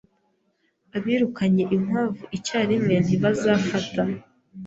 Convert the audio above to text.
Abirukanye inkwavu icyarimwe ntibazafata.